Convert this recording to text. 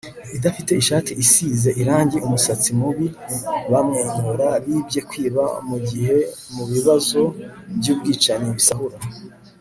idafite ishati isize irangi umusatsi mubi bamwenyura bibye kwiba mugihe mubibazo byubwicanyi basahura